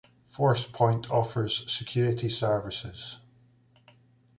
Forcepoint offers security services.